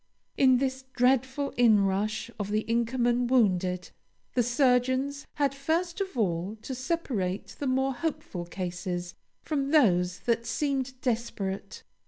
In this dreadful inrush of the Inkerman wounded, the surgeons had first of all to separate the more hopeful cases from those that seemed desperate.